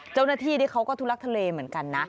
เจ้าหน้าที่นี่เขาก็ทุลักทุเลเหมือนกันนะ